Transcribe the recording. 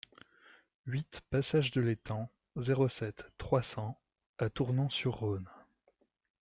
huit passage de l'Étang, zéro sept, trois cents à Tournon-sur-Rhône